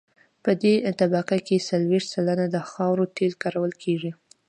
په دې طبقه کې څلویښت سلنه د خاورو تیل کارول کیږي